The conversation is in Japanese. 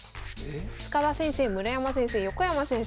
塚田先生村山先生横山先生